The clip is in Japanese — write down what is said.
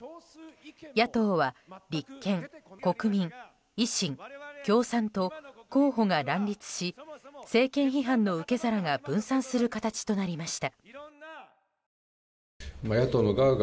野党は立憲、国民、維新、共産と候補が乱立し政権批判の受け皿が分散する形となりました。